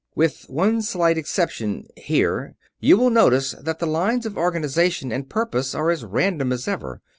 With one slight exception here you will notice that the lines of organization and purpose are as random as ever.